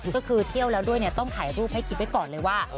ก็คือเที่ยวแล้วด้วยต้องถ่ายรูปให้คิดไว้ก่อนเลยว่า